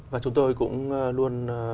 và chúng tôi cũng luôn